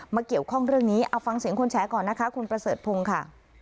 เกี่ยวข้องเรื่องนี้เอาฟังเสียงคนแฉก่อนนะคะคุณประเสริฐพงศ์ค่ะ